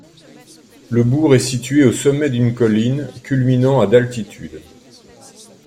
Le bourg est situé au sommet d'une colline culminant à d'altitude.